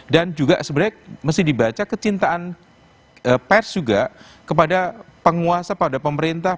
juga sebenarnya mesti dibaca kecintaan pers juga kepada penguasa pada pemerintah